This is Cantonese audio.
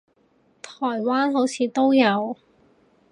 台灣好似都有